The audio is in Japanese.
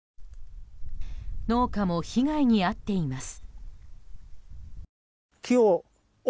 農家も被害に遭っています。